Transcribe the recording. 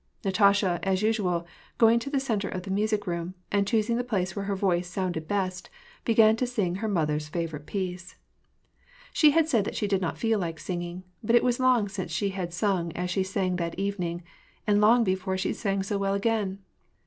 Natasha, as usual, going to the centre of the music room, and, choosing the place where her voice sounded best, began to sing her mother's favorite piece. She had said that she did not feel like singing ; but it was long since she had sung as she sang that evening, and long before she sang so well again.